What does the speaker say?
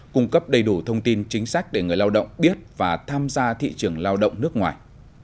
cung cấp đầy đủ thông tin chính sách để người lao động biết và tham gia thị trường lao động nước ngoài